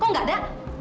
kok gak ada